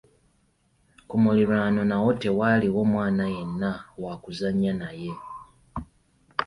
Ku muliraano nawo tewaaliwo mwana yenna wa kuzannya naye.